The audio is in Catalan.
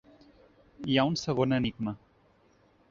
Hi ha un segon enigma.